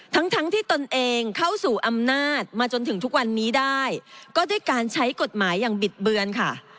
ทั้งทั้งที่ตนเองเข้าสู่อำนาจมาจนถึงทุกวันนี้ได้ก็ด้วยการใช้กฎหมายอย่างบิดเบือนค่ะ